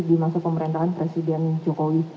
di masa pemerintahan presiden jokowi